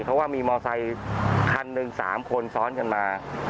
เพราะว่ามีมอไซคันหนึ่ง๓คนซ้อนกันมา